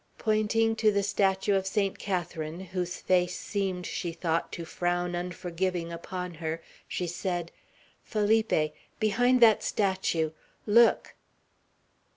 Pointing to the statue of Saint Catharine, whose face seemed, she thought, to frown unforgiving upon her, she said, "Felipe behind that statue look!"